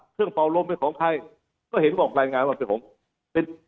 เครื่องเตารมเป็นของใครก็เห็นบอกลายงานว่าเป็นผม